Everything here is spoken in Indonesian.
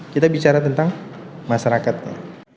kita bicara tentang masyarakatnya